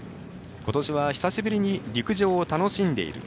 ことしは、久しぶりに陸上を楽しんでいる。